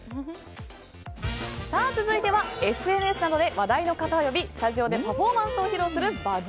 続いてはＳＮＳなどで話題の方を呼びスタジオでパフォーマンスを披露するＢＵＺＺＬＩＶＥ！